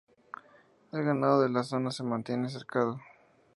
El ganado de la zona se mantiene cercado.